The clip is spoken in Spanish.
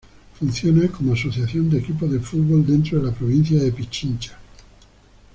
Funciona como asociación de equipos de fútbol dentro de la Provincia de Pichincha.